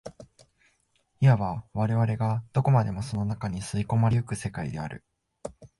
いわば我々がどこまでもその中に吸い込まれ行く世界である。